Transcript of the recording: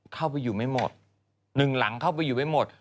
เข้าไปอยู่ไม่หมดหนึ่งหลังเข้าไปอยู่ไม่หมด